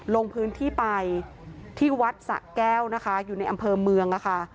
ลงพื้นที่ไปที่วัดสะแก้วนะคะอยู่ในอำเภอเมืองนะคะ